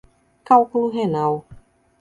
Cálculo renal